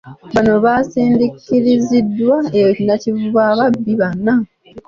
Bano baaziindukiriziddwa e Nakivubo ababbi bana.